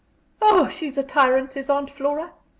"Oh, she's a tyrant, is Aunt Flora!